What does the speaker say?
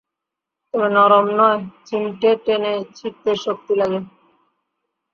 তবে নরম নয় চিমটে টেনে ছিড়তে শক্তি লাগে।